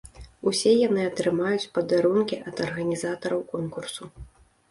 Усе яны атрымаюць падарункі ад арганізатараў конкурсу.